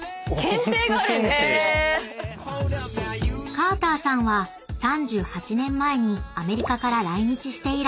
［カーターさんは３８年前にアメリカから来日して以来］